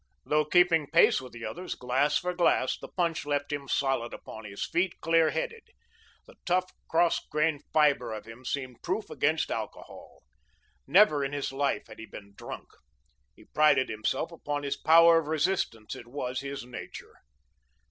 Though keeping pace with the others, glass for glass, the punch left him solid upon his feet, clear headed. The tough, cross grained fibre of him seemed proof against alcohol. Never in his life had he been drunk. He prided himself upon his power of resistance. It was his nature.